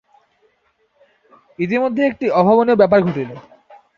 ইতিমধ্যে একটি অভাবনীয় ব্যাপার ঘটিল।